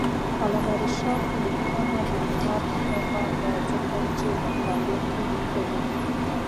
د علامه رشاد لیکنی هنر مهم دی ځکه چې مقالې لیکي.